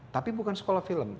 tapi bukan sekolah film